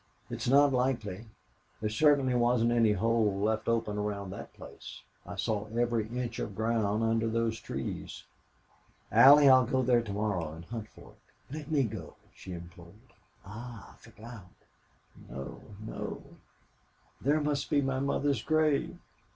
"It's not likely. There certainly wasn't any hole left open around that place. I saw every inch of ground under those trees.... Allie, I'll go there to morrow and hunt for it." "Let me go," she implored. "Ah! I forgot! No no!... There must be my mother's grave."